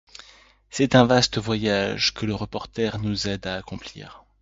C'est un vaste voyage que le reporter nous aide à accomplir...